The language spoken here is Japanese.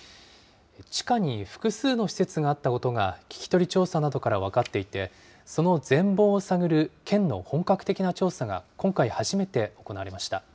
地下に複数の施設があったことが、聞き取り調査などから分かっていて、その全貌を探る県の本格的な調査が今回初めて行われました。